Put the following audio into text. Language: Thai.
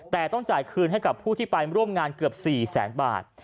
แต่ต้องจ่ายคืนให้กับผู้ที่ไปร่วมงานเกือบ๔แสนบาท